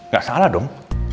gak salah dong